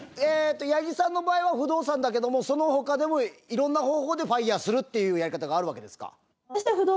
八木さんの場合は不動産だけどもその他でも色んな方法でＦＩＲＥするっていうやり方があるわけですか？